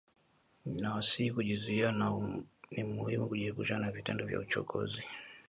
Ninawasihi kujizuia na ni muhimu kujiepusha na vitendo vya uchokozi